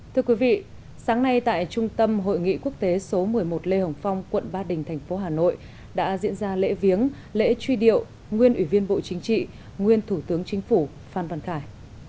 thưa quý vị sáng nay tại trung tâm hội nghị quốc tế số một mươi một lê hồng phong quận ba đình thành phố hà nội đã diễn ra lễ viếng lễ truy điệu nguyên ủy viên bộ chính trị nguyên thủ tướng chính phủ phan văn khải